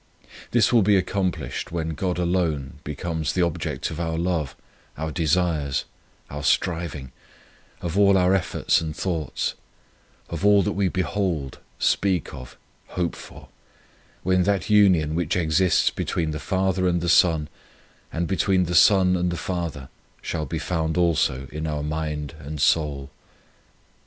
1 This will be accomplished when God alone becomes the object of all our love, our desires, our striv ing, of all our efforts and thoughts, of all that we l^hold, speak of, hope for ; when that union which exists between the Father and the Son, and between the Son and the Father shall be found also in our mind and soul.